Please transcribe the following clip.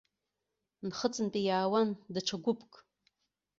Нхыҵынтәи иаауан даҽа гәыԥк.